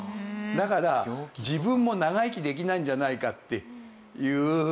だから自分も長生きできないんじゃないかっていう。